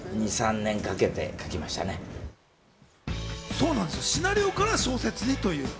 そうなんですよ、シナリオから小説にという。